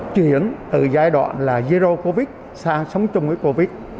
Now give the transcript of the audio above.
chuyển dẫn từ giai đoạn là zero covid sang sống chung với covid